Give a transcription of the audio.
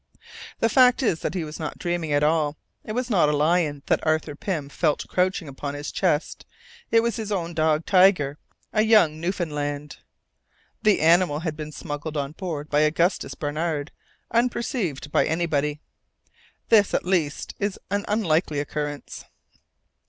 The fact is that he was not dreaming at all. It was not a lion that Arthur Pym felt crouching upon his chest, it was his own dog, Tiger, a young Newfoundland. The animal had been smuggled on board by Augustus Barnard unperceived by anybody (this, at least, is an unlikely occurrence).